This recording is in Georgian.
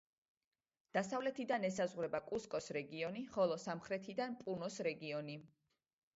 დასავლეთიდან ესაზღვრება კუსკოს რეგიონი, ხოლო სამხრეთიდან პუნოს რეგიონი.